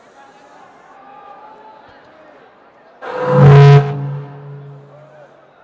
pasangan nomor dua